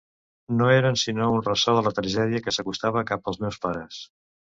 No eren sinó un ressò de la tragèdia que s'acostava cap als meus pares.